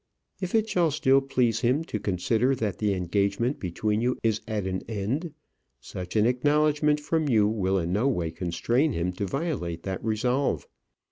If it shall still please him to consider that the engagement between you is at an end, such an acknowledgment from you will in no way constrain him to violate that resolve.